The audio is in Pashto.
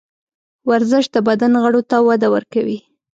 ورزش د بدن غړو ته وده ورکوي.